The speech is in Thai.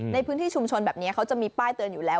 ในพื้นที่ชุมชนแบบนี้เขาจะมีป้ายเตือนอยู่แล้ว